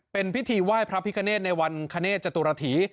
เป็นพิธีไหว้พระพิคเนธในวันคเนธจตุรฐี